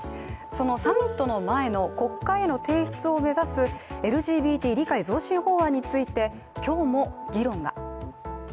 そのサミットの前の国会への提出を目指すＬＧＢＴ理解増進法案について今日も議論が。